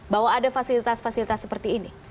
bahwa ada fasilitas fasilitas seperti ini